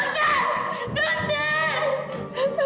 asma bantu mas kevin